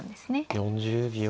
４０秒。